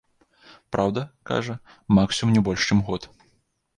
Праўда, кажа, максімум не больш чым год.